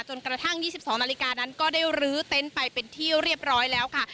กระทั่ง๒๒นาฬิกานั้นก็ได้ลื้อเต็นต์ไปเป็นที่เรียบร้อยแล้วค่ะ